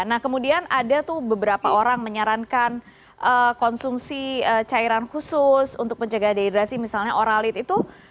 nah kemudian ada tuh beberapa orang menyarankan konsumsi cairan khusus untuk menjaga dehidrasi misalnya oralid itu